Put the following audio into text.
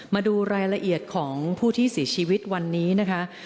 มาดูรายละเอียดของผู้ที่เสียชีวิตวันนี้นะคะ